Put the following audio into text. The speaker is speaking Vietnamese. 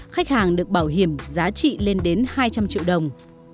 khách hàng được bảo hiểm giá trị lên đến hai trăm linh triệu đồng